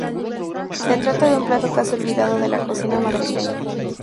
Se trata de un plato casi olvidado de la cocina madrileña.